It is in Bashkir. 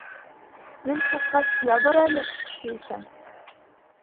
Ел сыҡҡас, ябыр әле, ти икән.